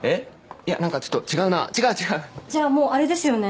いやなんかちょっと違うなあ違う違うじゃあもうあれですよね？